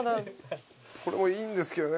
これもいいんですけどね